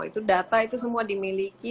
itu data itu semua dimiliki